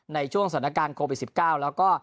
ในช่วงสถานการณ์โควิด๑๙แล้วก็